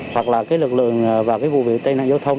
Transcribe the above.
hoặc là cái lực lượng và cái vụ viện tây nạn giao thông